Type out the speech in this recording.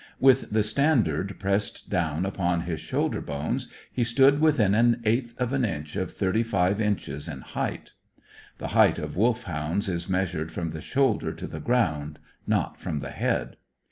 With the standard pressed down upon his shoulder bones he stood within an eighth of an inch of thirty five inches in height. (The height of Wolfhounds is measured from the shoulder to the ground, not from the head.)